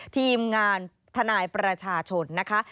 ทีมงานทนายประชาชนนะคะ